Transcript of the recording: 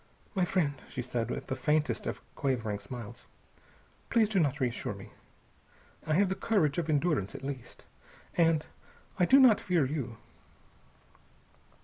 "My friend," she said with the faintest of quavering smiles, "Please do not reassure me. I have the courage of endurance, at least. And I do not fear you."